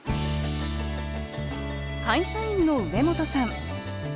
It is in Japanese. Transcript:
会社員の上本さん。